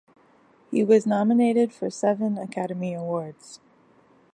He was nominated for seven Academy Awards.